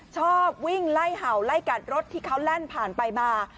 ชอบวิ่งไล่เห่าไล่กัดรถที่เขาแล่นผ่านไปมา